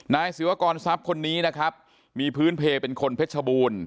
ศิวากรทรัพย์คนนี้นะครับมีพื้นเพลเป็นคนเพชรบูรณ์